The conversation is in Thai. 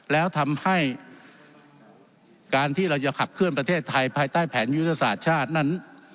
แล้วทำให้การที่เราจะขับเคลื่อนประเทศไทยภายใต้แผนยุทธศาสตร์ชาตินั้น